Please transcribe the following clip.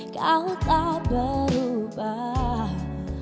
kau tak berubah